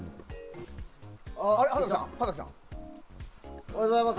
おはようございます。